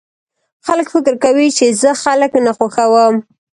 خلک فکر کوي چې زه خلک نه خوښوم